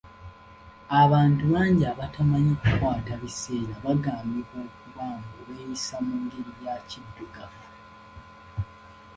Abantu bangi abatamyi kukwata biseera bagambibwa okuba mbu beeyisa mu ngeri ya kiddugavu.